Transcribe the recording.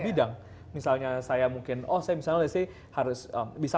jadi saya nilainya kayak bagaimana kita menurut saya